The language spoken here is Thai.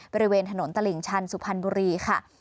บริเวณถนนตลิ่งชันสุพรรณบุรีค่ะ